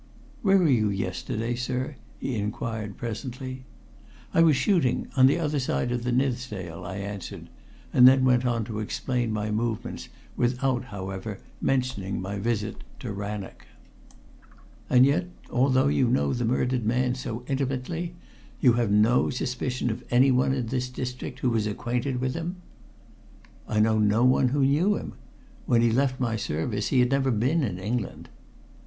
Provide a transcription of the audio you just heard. "Where were you yesterday, sir?" he inquired presently. "I was shooting on the other side of the Nithsdale," I answered, and then went on to explain my movements, without, however, mentioning my visit to Rannoch. "And although you know the murdered man so intimately, you have no suspicion of anyone in this district who was acquainted with him?" "I know no one who knew him. When he left my service he had never been in England."